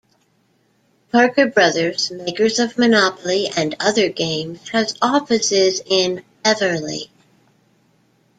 Parker Brothers, makers of "Monopoly" and other games, has offices in Beverly.